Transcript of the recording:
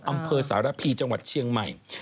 อำเภอสารพีจังหวัดเชียงใหม่